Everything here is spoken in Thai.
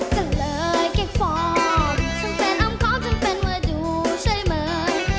ก็เลยเก็บฟอร์มทั้งเป็นอ่อมคล์ทั้งเป็นว่าดูใช่มั้ย